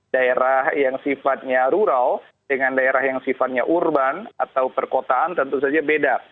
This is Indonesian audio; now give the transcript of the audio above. daerah yang sifatnya rural dengan daerah yang sifatnya urban atau perkotaan tentu saja beda